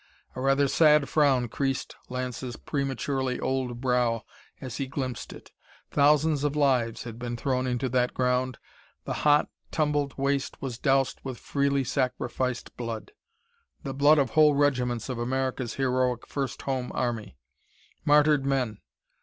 A rather sad frown creased Lance's prematurely old brow as he glimpsed it. Thousands of lives had been thrown into that ground; the hot, tumbled waste was doused with freely sacrificed blood, the blood of whole regiments of America's heroic First Home Army. Martyred men!